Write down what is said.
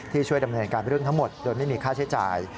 ช่วยดำเนินการเรื่องทั้งหมดโดยไม่มีค่าใช้จ่าย